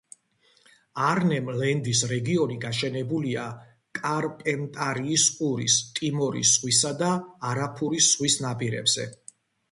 არნემ-ლენდის რეგიონი გაშენებულია კარპენტარიის ყურის, ტიმორის ზღვის და არაფურის ზღვის ნაპირებზე.